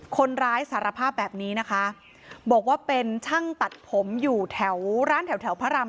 คนร้ายสารภาพแบบนี้นะคะบอกว่าเป็นช่างตัดผมอยู่แถวร้านแถวแถวพระราม